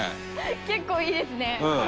「結構いいですね」